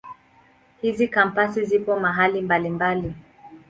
Hizi Kampasi zipo mahali mbalimbali.